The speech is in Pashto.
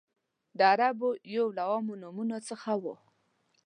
د عربو یو له عامو نومونو څخه و.